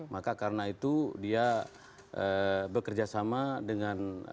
maka karena itu dia bekerja sama dengan